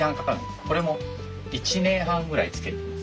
これも１年半ぐらい漬けてます。